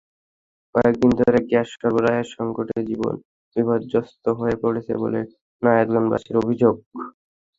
কয়েক দিন ধরেই গ্যাস সরবরাহের সংকটে জীবন বিপর্যস্ত হয়ে পড়েছে বলে নারায়ণগঞ্জবাসীর অভিযোগ।